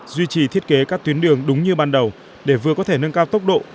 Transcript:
duy trì thiết kế các tuyến đường đúng như ban đầu để vừa có thể nâng cao tốc độ